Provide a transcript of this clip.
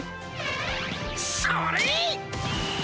それ！